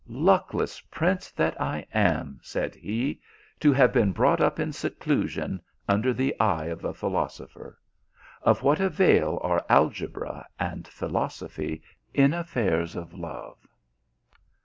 " Luckless prince that I am !" said he, " to have been brought up in seclusion, under the eye of a philosopher ! of what avail are algeora and philos ophy in affairs of love